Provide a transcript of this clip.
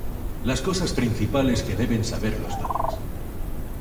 Las cosas principales que deben saber los padres